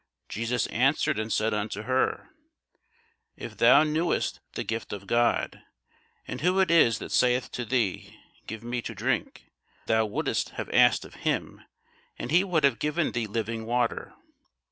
Jesus answered and said unto her, If thou knewest the gift of God, and who it is that saith to thee, Give me to drink; thou wouldest have asked of him, and he would have given thee living water.